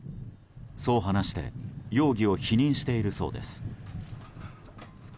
そう話して容疑を否認しているそうです。